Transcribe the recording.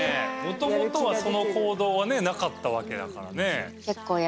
もともとはその行動はねなかったわけだからね。